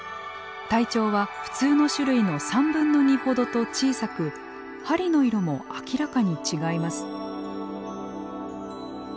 体長は普通の種類の３分の２ほどと小さく針の色も明らかに違います。